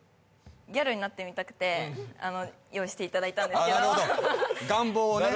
ギャルになってみたくて用意していただいたんですけど願望をね